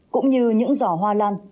cũng như những giỏ hoa lan